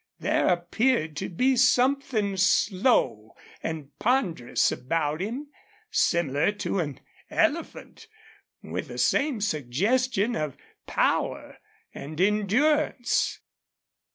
There appeared to be something slow and ponderous about him, similar to an elephant, with the same suggestion of power and endurance.